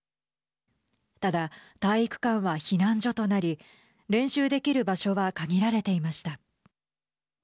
ただ、体育館は避難所となり練習できる場所は限られていました。